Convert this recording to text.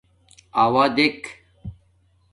اݸا دیکھ